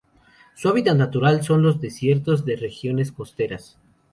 Su hábitat natural son los desiertos de regiones costeras.